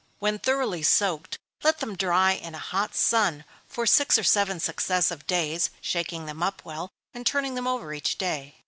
When thoroughly soaked, let them dry in a hot sun for six or seven successive days, shaking them up well, and turning them over each day.